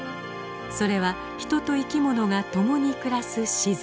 それは人と生き物がともに暮らす自然。